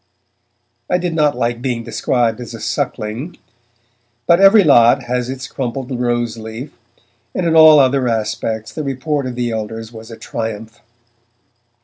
I did not like being described as a suckling, but every lot has its crumpled rose leaf, and in all other respects the report of the elders was a triumph.